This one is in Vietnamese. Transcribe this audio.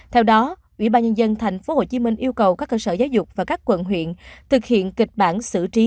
theo đó ubnd tp hcm yêu cầu các cơ sở giáo dục và các quận huyện thực hiện kịch bản xử trí